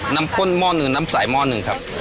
ข้นหม้อหนึ่งน้ำสายหม้อหนึ่งครับ